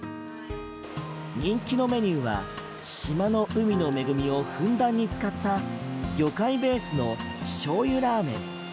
人気のメニューは島の海の恵みをふんだんに使った魚介ベースのしょうゆラーメン。